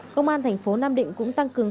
công an thành phố nam định cũng tăng cường